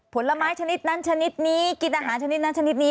ผลไม้ชนิดนั้นชนิดนี้กินอาหารชนิดนั้นชนิดนี้